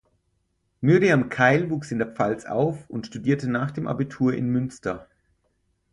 Myriam Keil wuchs in der Pfalz auf und studierte nach dem Abitur in Münster.